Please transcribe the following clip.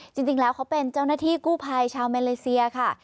จริงแล้วเขาเป็นเจ้าหน้าที่กู้ภัยชาวเมเลเซียค่ะ